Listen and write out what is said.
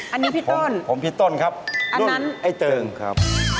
อันนี้พี่ต้นอันนั้นไอ้เติร์งครับผมพี่ต้นครับ